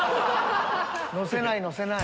のせないのせない。